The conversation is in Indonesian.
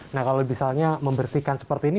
nah kalau misalnya membersihkan seperti ini